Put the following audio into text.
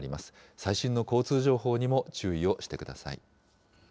最新の交通情報にも注意をしてください。